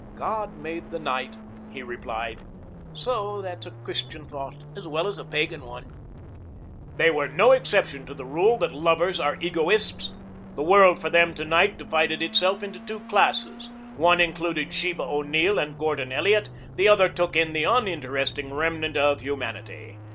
"God made the night," he replied. "So that's a Christian thought as well as a pagan one." They were no exception to the rule that lovers are egoists. The world for them to night divided itself into two classes. One included Sheba O'Neill and Gordon Elliot; the other took in the uninteresting remnant of humanity.